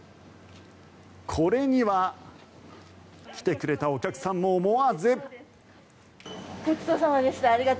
これには来てくれたお客さんも思わず。